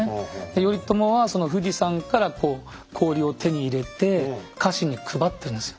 頼朝は富士山からこう氷を手に入れて家臣に配ってるんですよ。